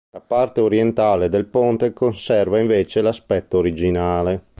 La parte orientale del ponte conserva invece l'aspetto originale.